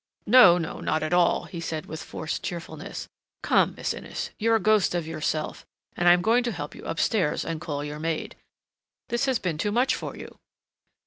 "No, no, not at all," he said with forced cheerfulness. "Come, Miss Innes, you're a ghost of yourself and I am going to help you up stairs and call your maid. This has been too much for you."